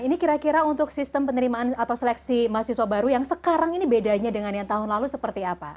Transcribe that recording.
ini kira kira untuk sistem penerimaan atau seleksi mahasiswa baru yang sekarang ini bedanya dengan yang tahun lalu seperti apa